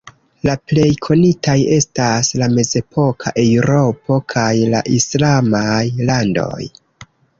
La plej konitaj estas la mezepoka Eŭropo, kaj la islamaj landoj.